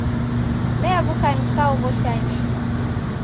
New'uka nikaoghosha nyumba.